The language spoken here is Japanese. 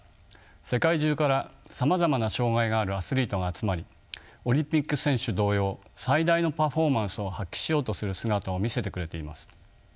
世界中からさまざまな障がいがあるアスリートが集まりオリンピック選手同様最大のパフォーマンスを発揮しようとする姿を見せてくれています。